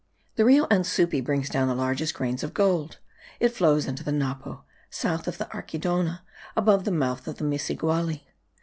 The Rio Ansupi brings down the largest grains of gold: it flows into the Napo, south of the Archidona, above the mouth of the Misagualli.